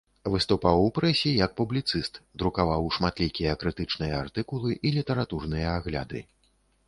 Выступаў у прэсе як публіцыст, друкаваў шматлікія крытычныя артыкулы і літаратурныя агляды.